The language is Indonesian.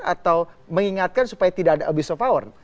atau mengingatkan supaya tidak ada abuse of power